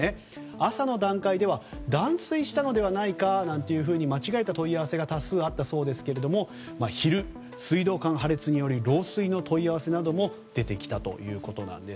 朝の段階では断水したのではないかと間違えた問い合わせが多数あったそうですが昼、水道管破裂による漏水の問い合わせなども出てきたということです。